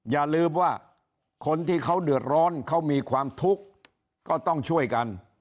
อย่าลืมว่าคนที่เขาเดือดร้อนเขามีความทุกข์ก็ต้องช่วยกัน